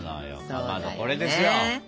かまどこれですよ。